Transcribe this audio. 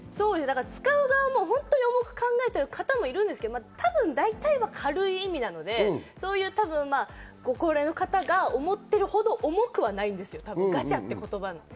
使う側も重く考えてる人もいると思うんですけど、大体は軽い意味なので、ご高齢の方が思ってるほど重くはないんですよ、たぶん、ガチャって言葉に。